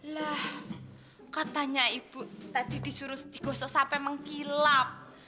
lah katanya ibu tadi disuruh digosok sampai mengkilap